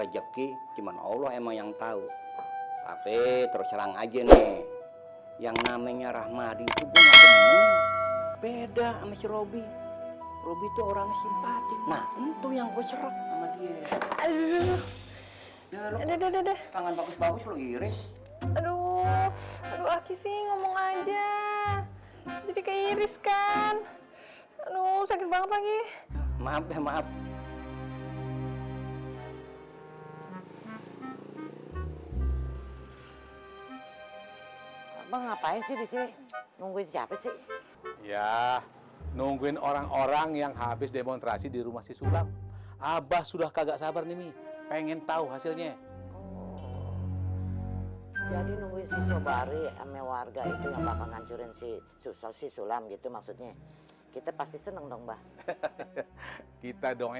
jika kamu memang ingin melepaskan si gardo